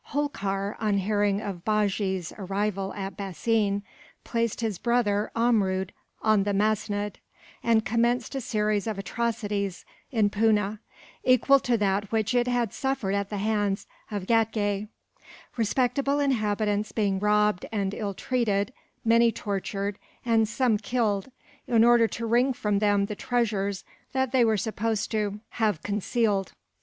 Holkar, on hearing of Bajee's arrival at Bassein, placed his brother Amrud on the musnud, and commenced a series of atrocities, in Poona, equal to that which it had suffered at the hands of Ghatgay; respectable inhabitants being robbed and ill treated, many tortured, and some killed, in order to wring from them the treasures that they were supposed to have concealed.